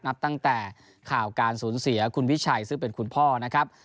นับตั้งแต่ข่าวการสูญเสียคุณวิชัยซึ่งเป็นคุณพ่อนะครับ